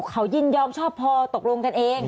เขายินยอมชอบพอตกลงกันเอง